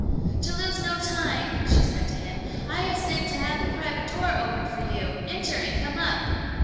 "To lose no time," said she to him, "I have sent to have the private door opened for you; enter and come up."